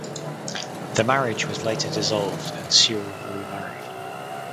The marriage was later dissolved and Sewell remarried.